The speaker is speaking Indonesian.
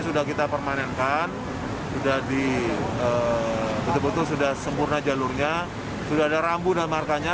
sudah kita permanenkan sudah di betul betul sudah sempurna jalurnya sudah ada rambu dan markanya